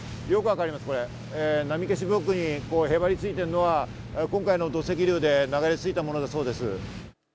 波消しブロックにへばり付いてるのは今回の土石流で流れ着いたものだそうです。